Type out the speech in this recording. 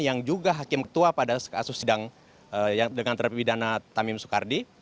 yang juga hakim ketua pada kasus sidang yang dengan terpibidana tamin soekardi